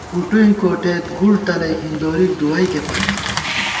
کُٹُوئیں کوٹېت گُڑ تلَئ ہِندورِک دُوَئیکے پت